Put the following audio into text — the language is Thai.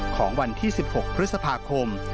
ของวันที่๑๖พฤษภาคม